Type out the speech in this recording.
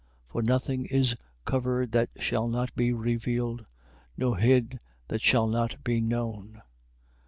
For nothing is covered that shall not be revealed: nor hid, that shall not be known.